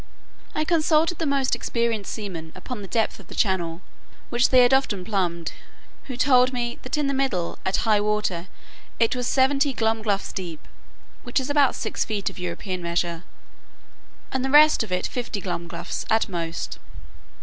I consulted the most experienced seamen upon the depth of the channel, which they had often plumbed; who told me, that in the middle, at high water, it was seventy glumgluffs deep, which is about six feet of European measure; and the rest of it fifty glumgluffs at most.